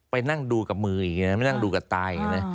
ไปนั่งดูกับมือแบบนั้นไม่นั่งดูกับตายกัน